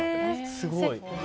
すごい。